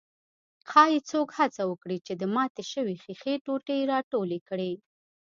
ښايي څوک هڅه وکړي چې د ماتې شوې ښيښې ټوټې راټولې کړي.